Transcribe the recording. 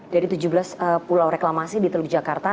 dari tujuh belas pulau reklamasi di teluk jakarta